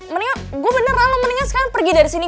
mendingan gue beneran lo mendingan sekarang pergi dari sini